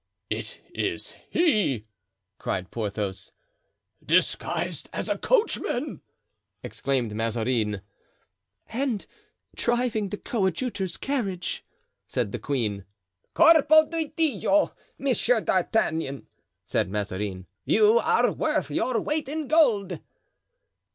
"It is he!" cried Porthos. "Disguised as a coachman!" exclaimed Mazarin. "And driving the coadjutor's carriage!" said the queen. "Corpo di Dio! Monsieur d'Artagnan!" said Mazarin, "you are worth your weight in gold."